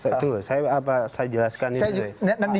itu saya jelaskan